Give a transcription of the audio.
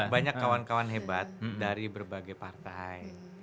banyak kawan kawan hebat dari berbagai partai